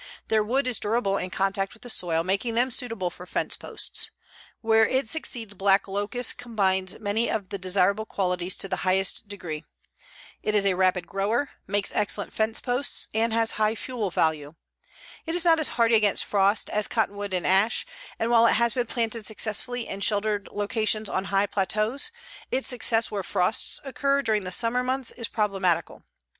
Their wood is durable in contact with the soil, making them suitable for fence posts. Where it succeeds black locust combines many of the desirable qualities to the highest degree. It is a rapid grower, makes excellent fence posts and has high fuel value. It is not as hardy against frost as cottonwood and ash, and while it has been planted successfully in sheltered locations on high plateaus, its success where frosts occur during the summer months is problematical.